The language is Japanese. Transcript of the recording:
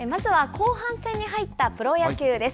後半戦に入ったプロ野球です。